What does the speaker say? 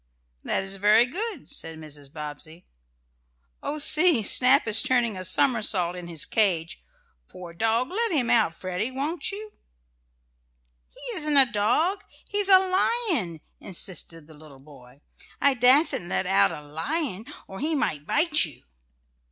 "That is very good," said Mrs. Bobbsey. "Oh, see! Snap is turning a somersault in his cage. Poor dog, let him out, Freddie; won't you?" "He isn't a dog he's a lion," insisted the little boy. "I dassen't let out a lion, or he might bite you."